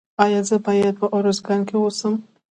ایا زه باید په ارزګان کې اوسم؟